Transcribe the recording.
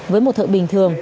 với một thợ bình thường